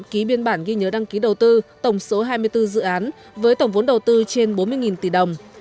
ký biên bản ghi nhớ đăng ký đầu tư tổng số hai mươi bốn dự án với tổng vốn đầu tư trên bốn mươi tỷ đồng